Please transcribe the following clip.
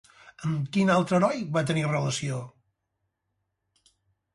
Amb quin altre heroi va tenir relació?